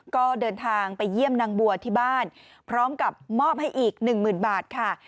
ก็เดินทางไปเยี่ยมนางบัวที่บ้านพร้อมกับมอบให้อีกหนึ่งหมื่นบาทค่ะ